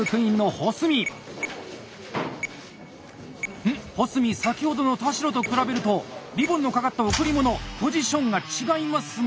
保住先ほどの田代と比べるとリボンの掛かった贈り物ポジションが違いますがこれはいいんですか？